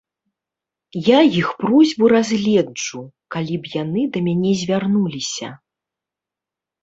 Я іх просьбу разгледжу, калі б яны да мяне звярнуліся.